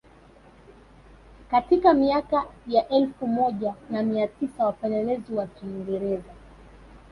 Katika miaka ya elfu moja na mia tisa wapelelezi wa Kiingereza